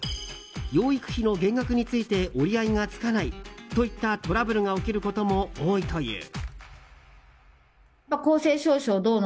養育費の減額について折り合いがつかないといったトラブルが起きることも多いという。